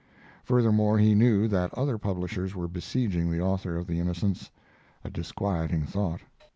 Futhermore, he knew that other publishers were besieging the author of the Innocents; a disquieting thought.